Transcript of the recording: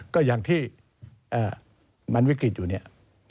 ก็อย่างที่มันวิกฤตอยู่เนี่ย